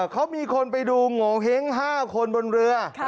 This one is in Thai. เขามีคนไปดูโงเห้ง๕คนบนเรือ